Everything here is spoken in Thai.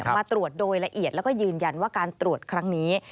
มาตรวจโดยละเอียดแล้วก็ยืนยันว่าการตรวจครั้งนี้